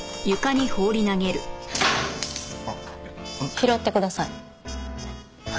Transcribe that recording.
拾ってください。